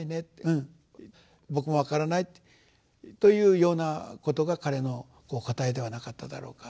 うん僕も分からないというようなことが彼の答えではなかっただろうかと。